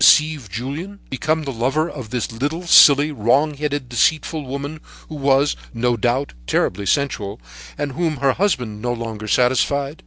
deceive Julien? become the lover of this little, silly, wrong headed, deceitful woman, who was, no doubt, terribly sensual, and whom her husband no longer satisfied.